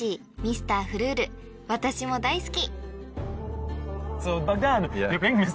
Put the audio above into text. ［私も大好き］